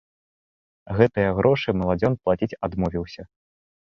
Гэтыя грошы маладзён плаціць адмовіўся.